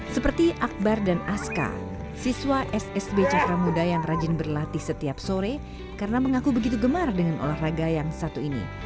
seperti akbar dan aska siswa ssb cakra muda yang rajin berlatih setiap sore karena mengaku begitu gemar dengan olahraga yang satu ini